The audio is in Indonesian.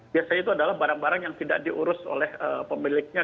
biasanya itu adalah barang barang yang tidak diurus oleh pemiliknya